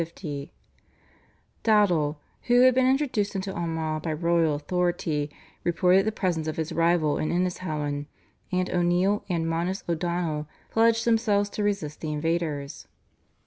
Dowdall, who had been introduced into Armagh by royal authority, reported the presence of his rival in Innishowen, and O'Neill and Manus O'Donnell pledged themselves to resist the invaders.